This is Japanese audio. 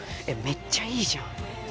めっちゃいいじゃん。